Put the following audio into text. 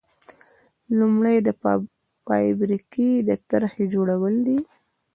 لومړی د فابریکې د طرحې جوړول دي.